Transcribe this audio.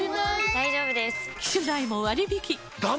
大丈夫です！